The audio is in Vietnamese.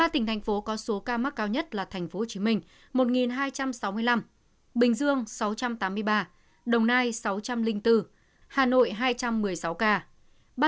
ba tỉnh thành phố có số ca mắc cao nhất là tp hcm một hai trăm sáu mươi năm bình dương sáu trăm tám mươi ba đồng nai sáu trăm linh bốn hà nội hai trăm một mươi sáu ca